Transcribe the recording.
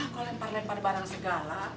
aku lempar lempar barang segala